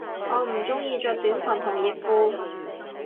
我唔鍾意着短裙同熱褲